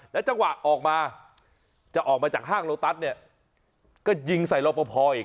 จังหวะออกมาจะออกมาจากห้างโลตัสเนี่ยก็ยิงใส่รอปภอีก